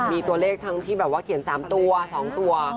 มีตัวเลขทั้งที่แบบว่าเขียน๓ตัว๒ตัว